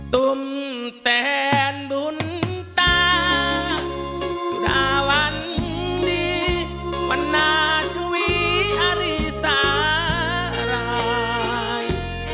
ตุ้มแตนบุญตาสุดาวันดีวันนาชวีอารีสาราย